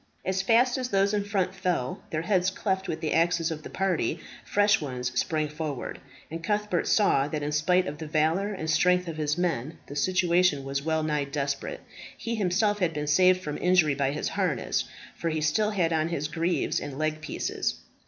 As fast as those in front fell, their heads cleft with the axes of the party, fresh ones sprang forward; and Cuthbert saw that in spite of the valour and strength of his men, the situation was well nigh desperate. He himself had been saved from injury by his harness, for he still had on his greaves and leg pieces.